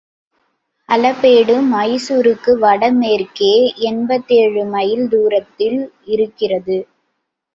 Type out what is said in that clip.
ஹலபேடு மைசூருக்கு வட மேற்கே எண்பத்தேழு மைல் தூரத்தில் இருக்கிறது.